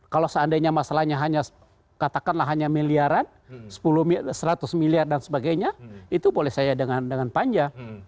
kalau seandainya masalahnya hanya katakanlah hanya miliaran seratus miliar dan sebagainya itu boleh saya dengan panjang